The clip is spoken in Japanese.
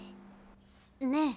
ねえ。